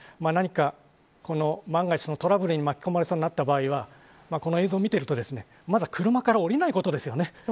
何か万が一のトラブルに巻き込まれそうになった場合はこの映像を見ていると、まずは車から降りないことですよね。